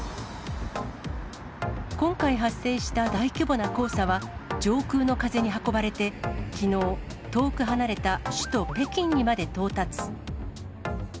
今回発生した大規模な黄砂は、上空の風に運ばれて、きのう、遠く離れた首都北京にまで到達。